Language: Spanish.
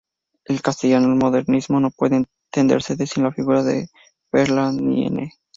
En castellano, el modernismo no puede entenderse sin la figura de Verlaine.